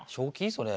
それ。